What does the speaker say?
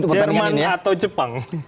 jerman atau jepang